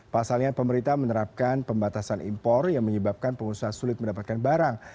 pasalnya pemerintah menerapkan pembatasan impor yang menyebabkan pengusaha sulit mendapatkan barang